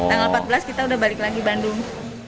tanggal empat belas kita udah balik lagi bandung